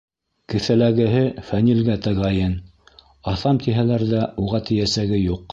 Кеҫәләгеһе Фәнилгә тәғәйен, аҫам тиһәләр ҙә, уға тейәсәге юҡ.